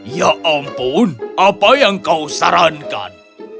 ya ampun apa yang kau sarankan